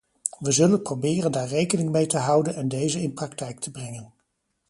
Wij zullen proberen daar rekening mee te houden en deze in praktijk te brengen.